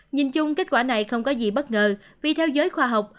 nhìn chung kết quả này không có gì bất ngờ vì theo giới khoa học